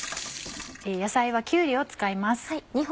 野菜はきゅうりを使います。